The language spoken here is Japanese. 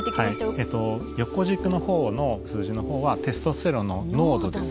えっと横軸の方の数字の方はテストステロンの濃度です。